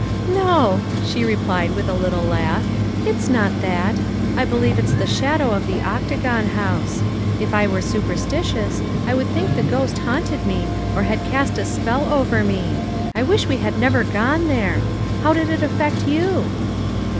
" No," she replied with a little laugh, " it's not that. I believe it's the shadow of the Octagon House. If I were superstitious, I would think the ghost haunted me or had east a spell over me. I wish we had never gone there. How did it affect you